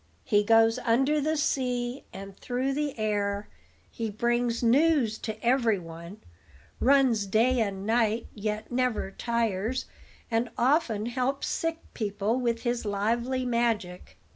He goes under the sea and through the air; he brings news to every one; runs day and night, yet never tires; and often helps sick people with his lively magic."